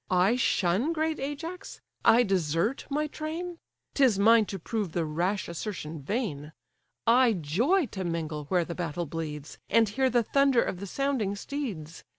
I shun great Ajax? I desert my train? 'Tis mine to prove the rash assertion vain; I joy to mingle where the battle bleeds, And hear the thunder of the sounding steeds.